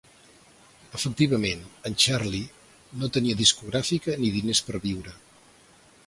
Efectivament en Charlie no tenia discogràfica ni diners per viure.